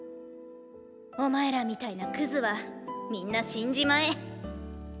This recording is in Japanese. お前らみたいなクズは皆死んじまえ！